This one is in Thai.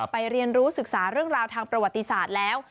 เรียนรู้ศึกษาเรื่องราวทางประวัติศาสตร์แล้ว